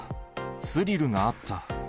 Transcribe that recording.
スリルがあった。